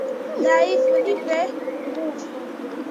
Dhaifu, nipe nguvu,